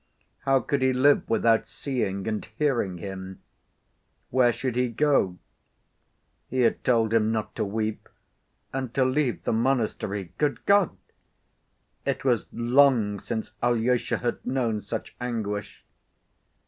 How could he live without seeing and hearing him? Where should he go? He had told him not to weep, and to leave the monastery. Good God! It was long since Alyosha had known such anguish.